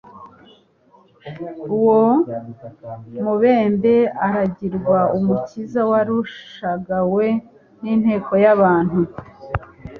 Uwo mubembe arangirwa Umukiza wari ushagawe n'inteko y'abantu,